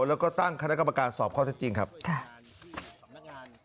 แล้วก็ตั้งคณะกรรมการสอบข้อเท็จจริงครับค่ะ